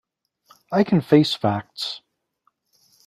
I can face facts.